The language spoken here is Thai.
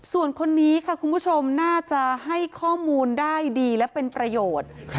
ส่วนคนนี้ค่ะคุณผู้ชมน่าจะให้ข้อมูลได้ดีและเป็นประโยชน์